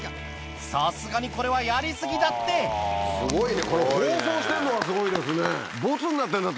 さすがにこれはやり過ぎだってすごいねこれ放送してんのがすごいですね。